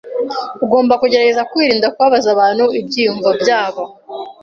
Ugomba kugerageza kwirinda kubabaza abantu ibyiyumvo byabo.